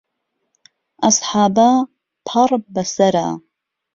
ئهسحابه پەڕ به سەره